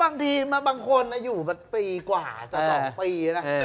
บางทีร่วมมาบางคนนะอยู่มาปีกว่าจะ๒ปีนะ